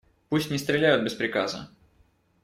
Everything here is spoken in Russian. Пусть не стреляют без приказа.